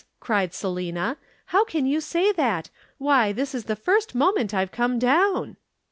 cried Selina. 'How can you say that? Why, this is the first moment I've come down.'